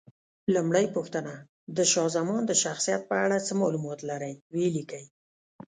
لومړۍ پوښتنه: د شاه زمان د شخصیت په اړه څه معلومات لرئ؟ ویې لیکئ.